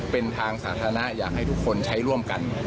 เป็นทางสาธารณะอยากให้ทุกคนใช้ร่วมกัน